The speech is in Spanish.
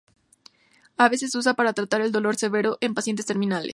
A veces se usa para tratar el dolor severo en pacientes terminales.